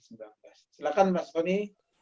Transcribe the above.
silahkan mas soni